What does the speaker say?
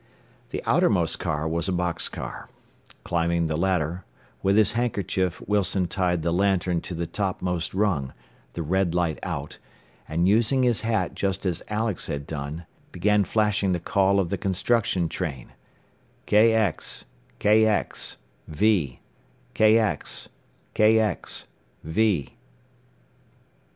The outermost car was a box car. Climbing the ladder, with his handkerchief Wilson tied the lantern to the topmost rung, the red light out, and using his hat just as Alex had done, began flashing the call of the construction train, "KX, KX, V! KX, KX, V!"